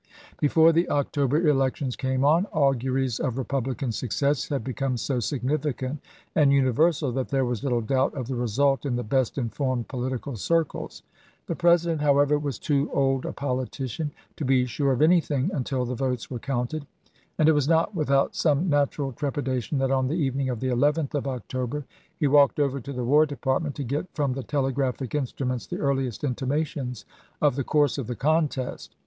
Before the October elections came on, auguries of Republican success had become so significant and universal that there was little doubt of the result in the best informed political circles. The President, how ever, was too old a politician to be sure of anything until the votes were counted, and it was not with out some natural trepidation that on the evening of 1864. the 11th of October he walked over to the War De partment l to get from the telegraphic instruments the earliest intimations of the course of the contest.